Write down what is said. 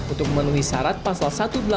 untuk memenuhi syarat pasal satu ratus delapan puluh